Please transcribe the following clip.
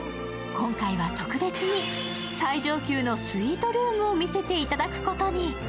今回は特別に最上級のスイートルームを見せていただくことに。